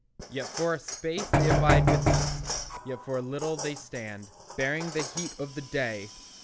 Yet for a space they abide with us, Yet for a little they stand, Bearing the heat of the day.